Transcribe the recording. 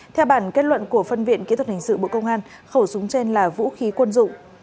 theo bản kết luận của phân viện kỹ thuật hình sự bộ công an khẩu súng trên là vũ khí quân dụng